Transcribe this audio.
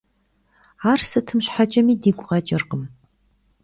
Ар сытым щхьэкӀэми дигу къэкӀыркъым.